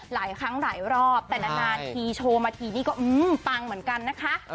หลายครั้งหลายรอบแต่นานทีโชว์มาทีนี่ก็ปังเหมือนกันนะคะ